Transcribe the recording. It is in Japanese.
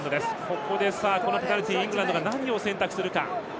ここでペナルティイングランドが何を選択するか。